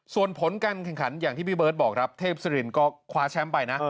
ส่วนผลการแข่งขันอย่างที่พี่เบิร์ตบอกครับเทพศิรินก็คว้าแชมป์ไปนะ